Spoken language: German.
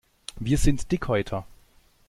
Wir sind Dickhäuter.